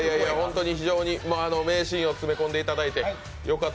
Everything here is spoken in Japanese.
非常に名シーンを詰め込んでいただいて、よかった。